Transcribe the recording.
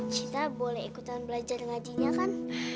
sita boleh ikutan belajar ngajinya kan